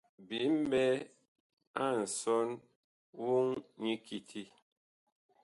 Bi mɓɛ a nsɔn woŋ nyi kiti.